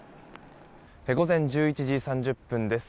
午前１１時３０分です。